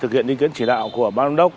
thực hiện ý kiến chỉ đạo của bác đồng đốc